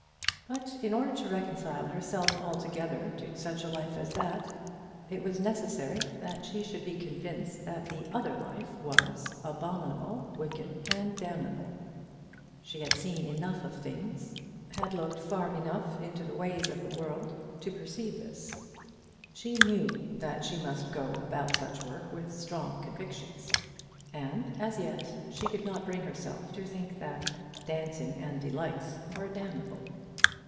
But in order to reconcile herself altogether to such a life as that, it was necessary that she should be convinced that the other life was abominable, wicked, and damnable. She had seen enough of things had looked far enough into the ways of the world to perceive this. She knew that she must go about such work with strong convictions, and as yet she could not bring herself to think that "dancing and delights" were damnable.